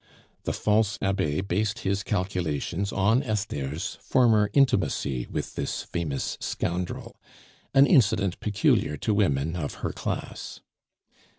The false Abbe based his calculations on Esther's former intimacy with this famous scoundrel, an incident peculiar to women of her class.